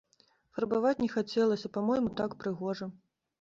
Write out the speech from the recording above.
Фарбаваць не хацелася, па-мойму, так прыгожа.